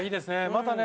またね